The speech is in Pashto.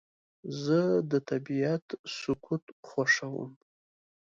زه د طبیعت سکوت خوښوم.